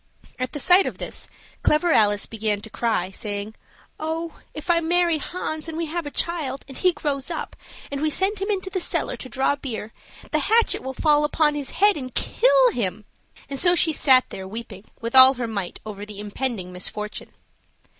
At the sight of this Clever Alice began to cry, saying, "Oh! if I marry Hans, and we have a child, and he grows up, and we send him into the cellar to draw beer, the hatchet will fall upon his head and kill him," and so she sat there weeping with all her might over the impending misfortune.